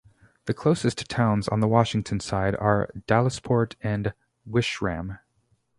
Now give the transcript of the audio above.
The closest towns on the Washington side are Dallesport and Wishram.